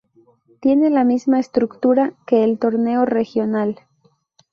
Tiene la misma estructura que el torneo regional.